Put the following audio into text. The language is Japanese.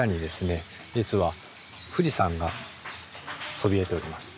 実は富士山がそびえております。